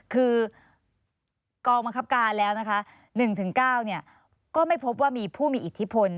คือกองบังคับการแล้วนะคะ๑๙ก็ไม่พบว่ามีผู้มีอิทธิพล